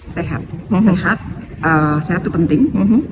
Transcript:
sehat sehat itu penting